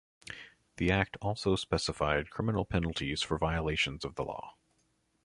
The act also specified criminal penalties for violations of the law.